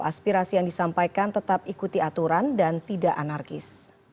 aspirasi yang disampaikan tetap ikuti aturan dan tidak anarkis